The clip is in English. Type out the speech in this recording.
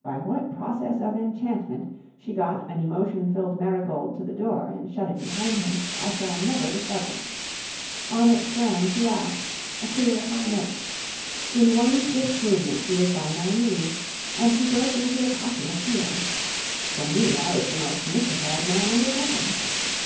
By what process of enchantment she got an emotion filled Marigold to the door and shut it behind him, I shall never discover. On its slam she laughed a queer high note. In one swift movement she was by my knees. And she broke into a passion of tears. For me, I was the most mystified man under heaven.